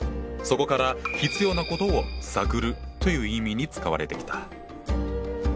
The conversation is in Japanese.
そこから必要なことを「探る」という意味に使われてきた。